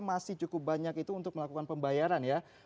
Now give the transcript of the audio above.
masih cukup banyak itu untuk melakukan pembayaran ya